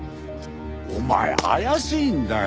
お前怪しいんだよ！